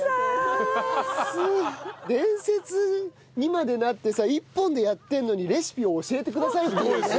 伝説にまでなってさ一本でやってるのにレシピを教えてくださるっていうね。